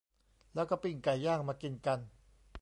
แล้วก็ปิ้งไก่ย่างมากินกัน